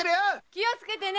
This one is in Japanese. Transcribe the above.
気をつけてね！